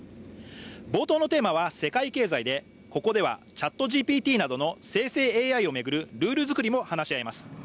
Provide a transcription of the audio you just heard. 冒頭のテーマは世界経済で、ここではＣｈａｔＧＰＴなどの生成ＡＩを巡るルール作りも話し合います。